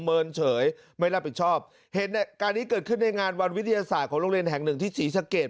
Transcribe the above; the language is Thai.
เมินเฉยไม่รับผิดชอบเหตุการณ์นี้เกิดขึ้นในงานวันวิทยาศาสตร์ของโรงเรียนแห่งหนึ่งที่ศรีสะเกด